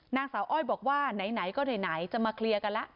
นางสาวอ้อยบอกว่าไหนก็ไหนจะมาเคลียร์กันแล้ว